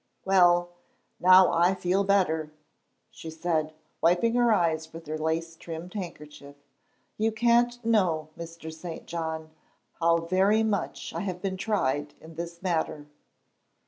"Well, now I feel better," she said, wiping her eyes with her lace trimmed handkerchief. "You can't know, Mr. St. John, how very much I have been tried in this matter."